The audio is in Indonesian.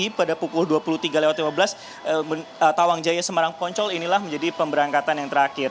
jadi pada pukul dua puluh tiga lewat lima belas tawang jaya semarang poncol inilah menjadi pemberangkatan yang terakhir